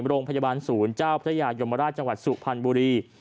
โรงพยาบาลศูนย์เจ้าพระยายมราชจังหวัดสุพรรณบุรี